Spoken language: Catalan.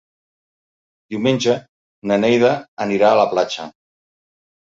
Diumenge na Neida anirà a la platja.